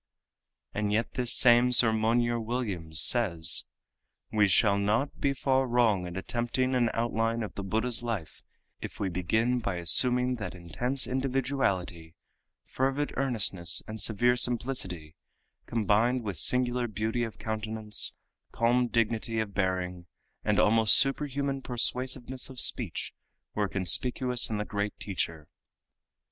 And yet this same Sir Monier Williams says: "We shall not be far wrong in attempting an outline of the Buddha's life if we begin by assuming that intense individuality, fervid earnestness and severe simplicity, combined with singular beauty of countenance, calm dignity of bearing, and almost superhuman persuasiveness of speech, were conspicuous in the great teacher."